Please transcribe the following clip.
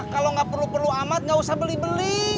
kalau gak perlu perlu amat gak usah beli beli